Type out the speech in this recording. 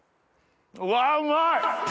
うわうまい！